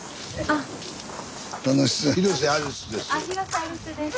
あ広瀬アリスです。